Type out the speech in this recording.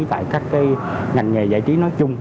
tại các ngành nghề giải trí nói chung